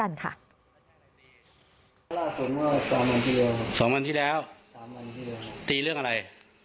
ล่าส่วนเมื่อสามวันที่แล้วครับสามวันที่แล้วครับตีเรื่องอะไร